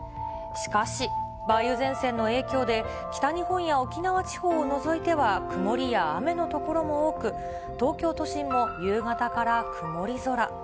しかし、梅雨前線の影響で、北日本や沖縄地方を除いては曇りや雨の所も多く、東京都心も夕方から曇り空。